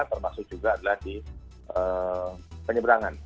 termasuk juga adalah di penyeberangan di ganap